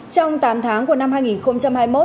trong tám tháng của năm hai nghìn hai mươi một